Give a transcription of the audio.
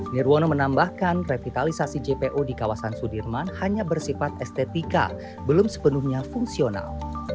nirwono menambahkan revitalisasi jpo di kawasan sudirman hanya bersifat estetika belum sepenuhnya fungsional